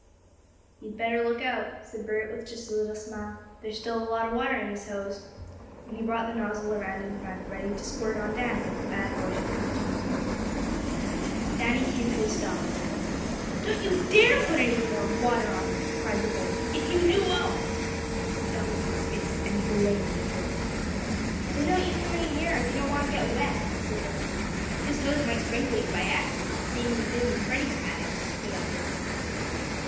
"You'd better look out," said Bert, with just a little smile. "There's still a lot of water in this hose," and he brought the nozzle around in front, ready to squirt on Danny if the bad boy should come too near. Danny came to a stop. "Don't you dare put any more water on me!" cried the bully. "If you do, I'll " He doubled up his fists and glared at Bert. "Then don't you come any nearer if you don't want to get wet," said Bert. "This hose might sprinkle you by accident, the same as it did when Freddie had it," he added.